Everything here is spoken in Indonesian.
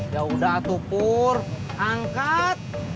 yaudah tuh pur angkat